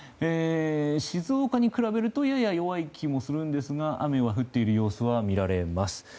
静岡に比べるとやや弱い気もするんですが雨が降っている様子は見られます。